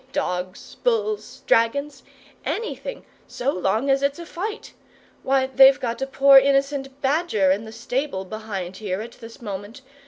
Dogs, bulls, dragons anything so long as it's a fight. Why, they've got a poor innocent badger in the stable behind here, at this moment.